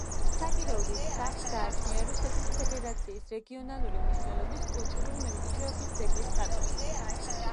საგიროვის სახლს გააჩნია რუსეთის ფედერაციის რეგიონალური მნიშვნელობის კულტურული მემკვიდრეობის ძეგლის სტატუსი.